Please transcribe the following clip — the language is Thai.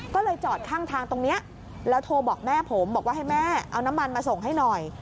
ก็เลยจอดข้างทางตรงนี้แล้วโทรบอกแม่ผมบอกว่าให้แม่เอาน้ำมันมาส่งให้หน่อย